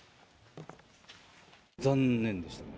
残念でしたね。